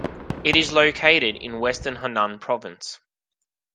It is located in western Hunan province.